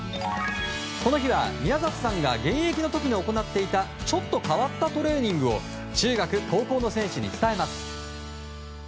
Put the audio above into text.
この日は宮里さんが現役の時に行っていたちょっと変わったトレーニングを中学・高校の選手に伝えます。